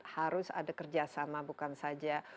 harus ada kerjasama bukan saja